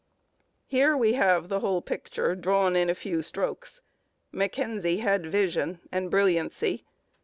Here we have the whole picture drawn in a few strokes. Mackenzie had vision and brilliancy.